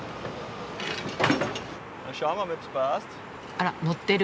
あらのってる。